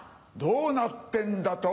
どうなってんだと？